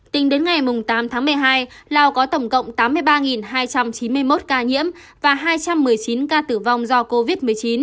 tính đến ngày tám tháng một mươi hai lào có tổng cộng tám mươi ba hai trăm chín mươi một ca nhiễm và hai trăm một mươi chín ca tử vong do covid một mươi chín